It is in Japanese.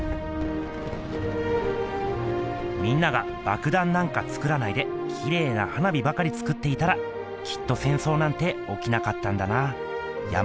「みんなが爆弾なんかつくらないできれいな花火ばかりつくっていたらきっと戦争なんて起きなかったんだな山下清」。